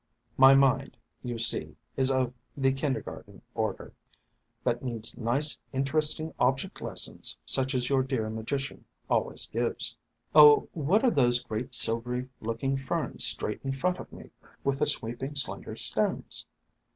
My mind, you ^H see, is of the kindergarten order, that needs nice interesting object les sons, such as your dear Magician always gives. "Oh, what are those great, silvery looking Ferns straight in front of me, with the sweeping, slender stems?